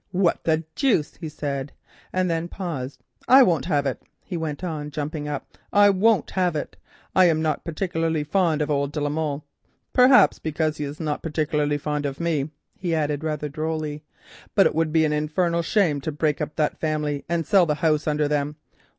"What the deuce," he said, and then paused. "I won't have it," he went on, jumping up, "I won't have it. I am not particularly fond of old de la Molle, perhaps because he is not particularly fond of me," he added rather drolly, "but it would be an infernal shame to break up that family and sell the house over them.